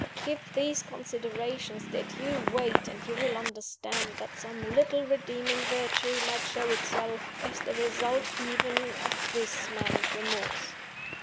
Give these considerations their due weight; and you will understand that some little redeeming virtue might show itself, as the result even of this man's remorse.